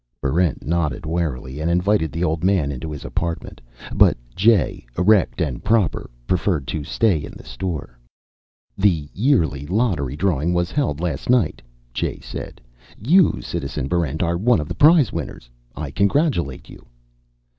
Barrent nodded warily and invited the old man into his apartment. But Jay, erect and proper, preferred to stay in the store. "The yearly Lottery drawing was held last night," Jay said. "You, Citizen Barrent, are one of the prize winners. I congratulate you."